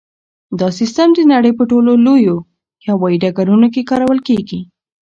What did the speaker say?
دا سیسټم د نړۍ په ټولو لویو هوایي ډګرونو کې کارول کیږي.